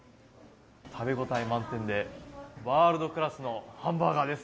食べ応え満点でワールドクラスのハンバーガーです。